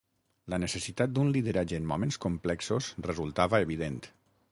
La necessitat d'un lideratge en moments complexos resultava evident.